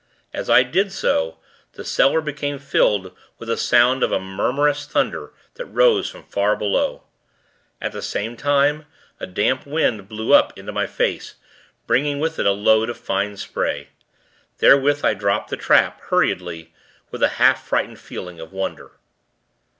As I did so, the cellar became filled with the sound of a murmurous thunder, that rose from far below. At the same time, a damp wind blew up into my face, bringing with it a load of fine spray. Therewith, I dropped the trap, hurriedly, with a half frightened feeling of wonder.